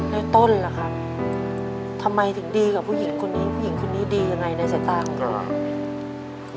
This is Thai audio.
ในต้นล่ะครับทำไมถึงดีกับผู้หญิงคนนี้ผู้หญิงคนนี้ดียังไงในสายตาของเรา